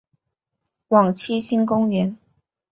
往七星公园